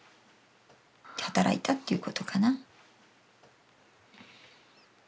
働いたっていうことかな。